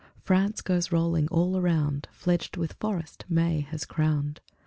France goes rolling all around, Fledged with forest May has crowned.